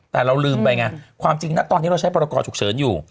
แต่เราลืมไปไงความจริงนะตอนนี้เราใช้พรกรฉุกเฉินอยู่